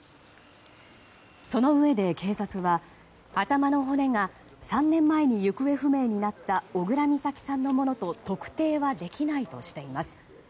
そのうえで警察は、頭の骨が３年前に行方不明になった小倉美咲さんのものと特定はできないとしています。